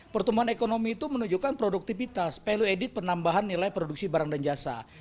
pertumbuhan ekonomi itu menunjukkan produktivitas value added penambahan nilai produksi barang dan jasa